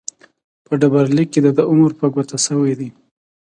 په ډبرلیک کې دده عمر په ګوته شوی دی.